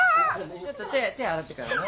ちょっと手洗ってからね。